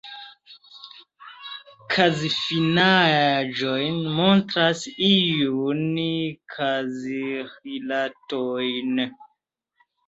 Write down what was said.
Kazfinaĵoj montras iujn kazrilatojn.